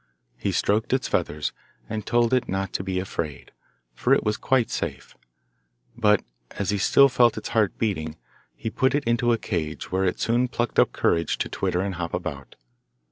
He stroked its feathers, and told it not to be afraid, for it was quite safe; but as he still felt its heart beating, he put it into a cage, where it soon plucked up courage to twitter and hop about.